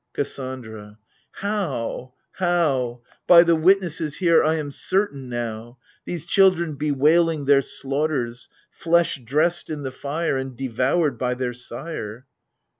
kaSsandra. How ! How ! By the witnesses here I am certain now ! These children bewailing their slaughters — flesh dressed in the fire And devoured by their sire